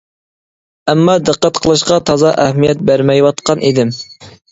ئەمما دىققەت قىلىشقا تازا ئەھمىيەت بەرمەيۋاتقان ئىدىم.